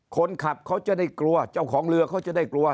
คนขับเขาจะได้กลัวเจ้าของเรือเขาจะได้กลัว